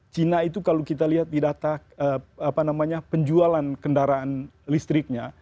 cina itu kalau kita lihat di data penjualan kendaraan listriknya